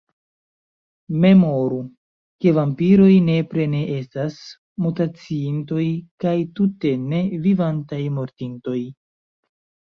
Memoru, ke vampiroj nepre ne estas mutaciintoj, kaj, tute ne, vivantaj mortintoj.